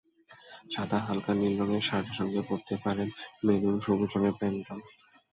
সাদা, হালকা নীল রঙের শার্টের সঙ্গে পরতে পারেন মেরুন, সবুজ রঙের প্যান্টও।